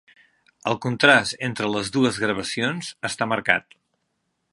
El contrast entre les dues gravacions està marcat.